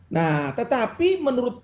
nah tetapi menurut